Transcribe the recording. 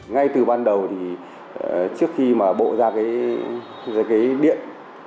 ngay từ ban đầu thì trước khi mà bộ ra cái điện